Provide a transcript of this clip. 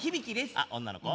あっ女の子？